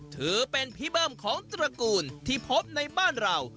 ถือเป็นพี่เบิ้มของตระกูลที่พบในบ้านเรา